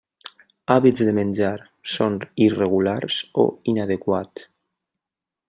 Hàbits de menjar: són irregulars o inadequats.